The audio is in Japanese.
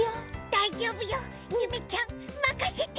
だいじょうぶよゆめちゃんまかせて！